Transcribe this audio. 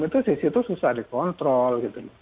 itu sisi itu susah dikontrol